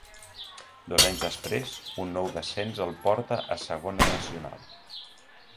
Dos anys després, un nou descens el porta a Segona Nacional.